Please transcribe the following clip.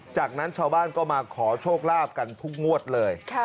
จากนั้นชาวบ้านก็มาขอโชคลาภกันทุกงวดเลย